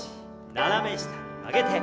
斜め下、曲げて。